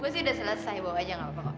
gue sih udah selesai bawa aja gak apa apa